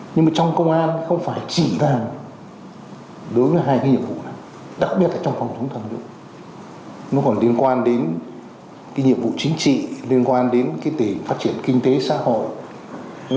nó còn liên quan đến cái nhiệm vụ chính trị liên quan đến cái tỉnh phát triển kinh tế xã hội